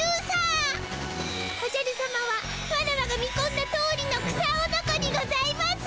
おじゃるさまはワラワが見こんだとおりの草おのこにございます。